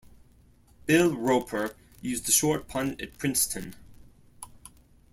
Bill Roper used the short punt at Princeton.